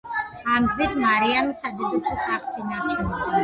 ამ გზით მარიამი სადედოფლო ტახტს ინარჩუნებდა.